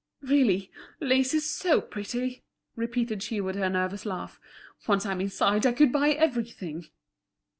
"Really, lace is so pretty!" repeated she with her nervous laugh. "Once I'm inside I could buy everything."